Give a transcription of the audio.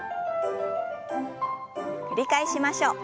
繰り返しましょう。